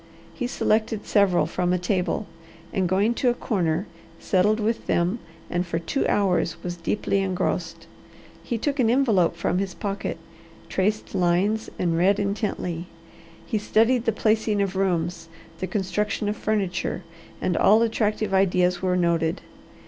He selected several from a table and going to a corner settled with them and for two hours was deeply engrossed. He took an envelope from his pocket, traced lines, and read intently. He studied the placing of rooms, the construction of furniture, and all attractive ideas were noted.